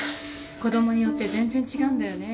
子供によって全然違うんだよね。